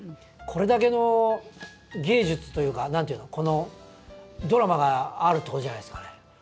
これだけの芸術というか何ていうのこのドラマがあるってことじゃないですかね。